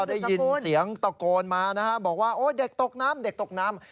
ได้ยินเสียงตะโกนมานะฮะบอกว่าโอ้เด็กตกน้ำเด็กตกน้ำ